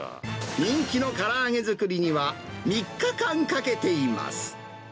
人気のから揚げ作りには、３日間かけています。